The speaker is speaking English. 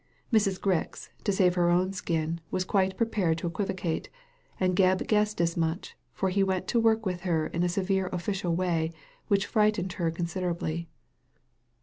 Mrs. Grix, to save her own skin, was quite prepared to equivocate, and Gebb guessed as much, for he went to work with her in a severe official way which frightened her considerably.